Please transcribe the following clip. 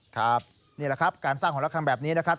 ครับนี่แหละครับการสร้างหอละครังแบบนี้นะครับ